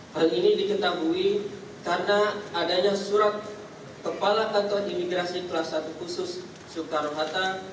hal ini diketahui karena adanya surat kepala kantor imigrasi kelas satu khusus soekarno hatta